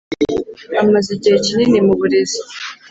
amaze igihe kinini mu burezi